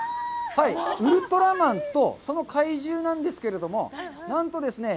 ウルトラマンとその怪獣なんですけれども何とですね